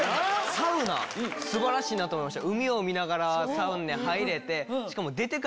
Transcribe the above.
サウナ素晴らしいなと思いました。